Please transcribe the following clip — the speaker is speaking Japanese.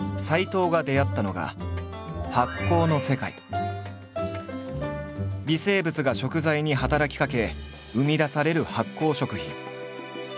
藤が出会ったのが微生物が食材に働きかけ生み出される発酵食品。